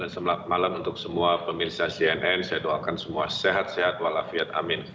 selamat malam untuk semua pemirsa cnn saya doakan semua sehat sehat walafiat amin